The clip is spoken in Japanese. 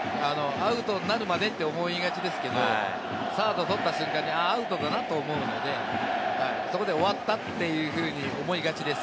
アウトになるまでと思いがちですけれども、サードに行った瞬間にあ、アウトだな、終わったというふうに思いがちです。